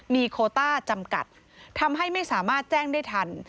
มีโคต้าจำกัดทำให้ไม่สามารถแจ้งได้ทัน